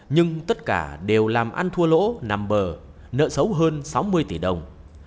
nhưng tất cả đều làm ăn thua lỗ nằm bờ nợ xấu hơn sáu mươi tỷ đồng